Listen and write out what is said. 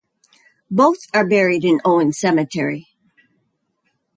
Both are buried in Owen cemetery.